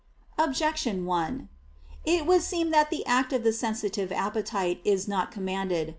Objection 1: It would seem that the act of the sensitive appetite is not commanded.